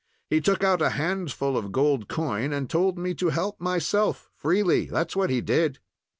He took out a handful of gold coin and told me to help myself—freely. That is what he did."